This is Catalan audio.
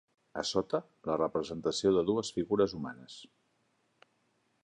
A sota, la representació de dues figures humanes.